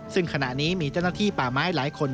ซึ่งขณะนี้มีเจ้าหน้าที่ป่าไม้หลายคน